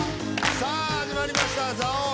さあ始まりました「座王」。